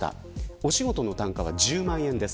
お仕事の単価は１０万円です。